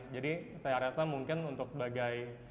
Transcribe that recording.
jadi saya rasa mungkin untuk sebagiannya